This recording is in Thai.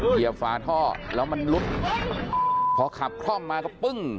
เหยียบฝาท่อแล้วมันลุดพอขับคล่อมมาก็ปึ้ง